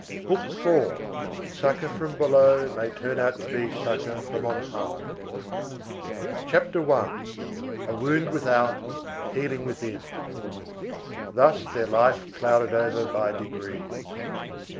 BOOK FOURTH—SUCCOR FROM BELOW MAY TURN OUT TO BE SUCCOR FROM ON HIGH CHAPTER I—A WOUND WITHOUT, HEALING WITHIN Thus their life clouded over by degrees.